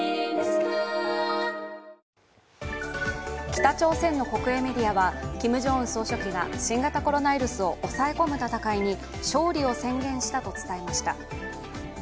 北朝鮮の国営メディアはキム・ジョンウン総書記が新型コロナウイルスを抑え込む戦いに勝利を宣言したと伝えました。